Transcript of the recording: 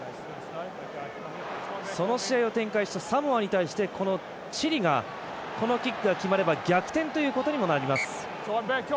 その試合を展開したサモアに対してチリが、このキックが決まれば逆転ということにもなります。